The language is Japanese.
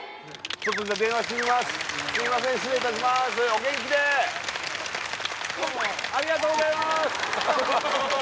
お元気でありがとうございます！